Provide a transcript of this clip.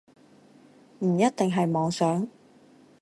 唔一定係妄想